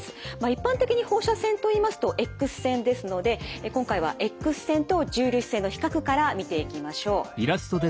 一般的に放射線といいますとＸ線ですので今回はＸ線と重粒子線の比較から見ていきましょう。